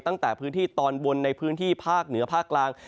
ตั้งแต่พื้นที่ตอนบนในพื้นที่ภาคเหนือภาคกลาง